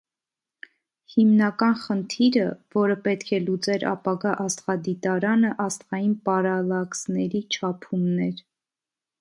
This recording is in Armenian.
Հիմնական խնդիրը, որը պետք է լուծեր ապագա աստղադիտարանը աստղային պարալաքսների չափումն էր։